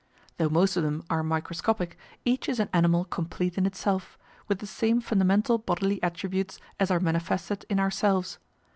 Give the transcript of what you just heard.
Though most of them are microscopic, each is an animal complete in itself, with the same fundamental bodily attributes as are manifested in ourselves.